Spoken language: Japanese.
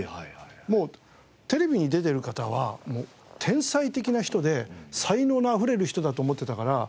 もうテレビに出てる方は天才的な人で才能のあふれる人だと思っていたから。